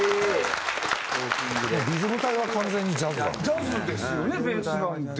ジャズですよねベースラインって。